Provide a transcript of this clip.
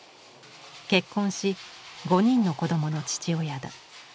結婚し５人の子供の父親だ。